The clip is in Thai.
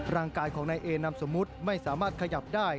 ร่างกายของนายเอนามสมมุติไม่สามารถขยับได้